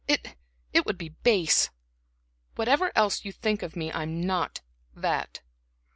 It it would be base. Whatever else you think me, I'm not that.